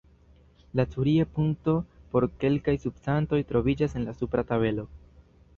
La Curie-punktoj por kelkaj substancoj troviĝas en la supra tabelo.